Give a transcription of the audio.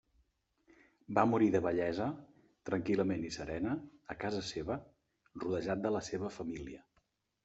Va morir de vellesa, tranquil·lament i serena, a casa seva, rodejat de la seva família.